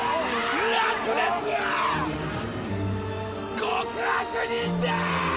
ラクレスは極悪人だーっ！！